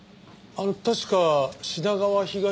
確か品川東署で。